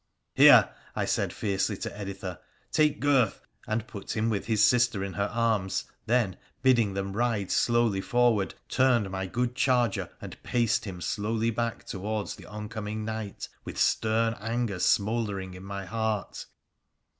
' Here !' I said fiercely to Editha, ' take Gurth,' and put him with big sister in her arms, then, bidding them ride slowly forward, turned my good charger and paced him slowly back towards the oncoming knight, with stern anger smouldering in my heart.